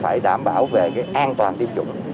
phải đảm bảo về an toàn tiêm dụng